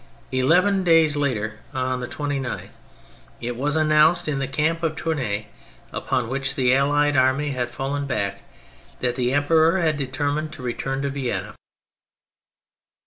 Eleven days later, on the 29th, it was announced in the camp of Tournay, upon which the Allied army had fallen back, that the Em peror had determined to return to Vienna.